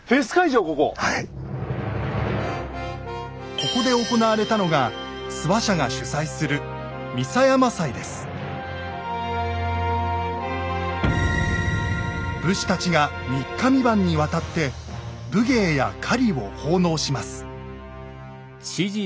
ここで行われたのが諏訪社が主催する武士たちが三日三晩にわたって武芸や狩りを奉納します。